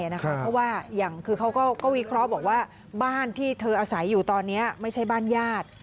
เพราะว่าอย่างคือเขาก็วิเคราะห์บอกว่าบ้านที่เธออาศัยอยู่ตอนนี้ไม่ใช่บ้านญาติ